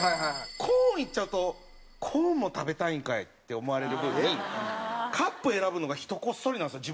コーンいっちゃうとコーンも食べたいんかいって思われる分にカップ選ぶのがひとこっそりなんですよ